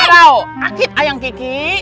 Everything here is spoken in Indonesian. adau akit ayang keki